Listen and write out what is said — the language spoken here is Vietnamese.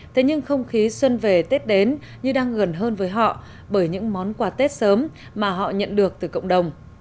thế nhưng không khí xuân về tết đến như đang gần hơn với họ bởi những món quà tết sớm mà họ nhận được từ cộng đồng